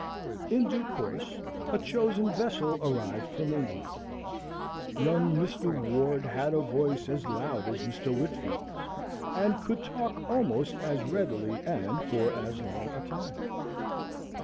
In due course, a chosen vessel arrived from England. Young Mr. Ward had a voice as loud as Mr. Whitfield's, and could talk almost as readily and for as long a time.